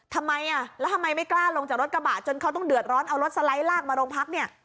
ทำไมอ่ะแล้วทำไมไม่กล้าลงจากรถกระบะจนเขาต้องเดือดร้อนเอารถสไลด์ลากมาโรงพักเนี่ย